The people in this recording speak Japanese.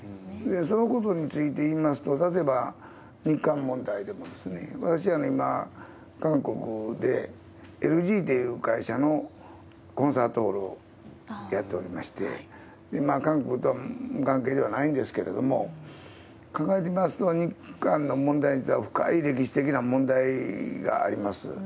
そのことについて言いますと、例えば日韓問題でも、私、今、韓国でエルジーという会社のコンサートホールをやっておりまして、今、韓国と無関係ではないんですけれども、考えてみますと、日韓の問題については深い歴史的な問題があります。